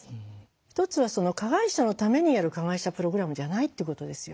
一つは加害者のためにやる加害者プログラムじゃないっていうことですよ。